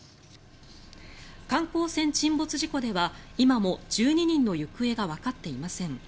観光船沈没事故では今も１２人の行方がわかっていません。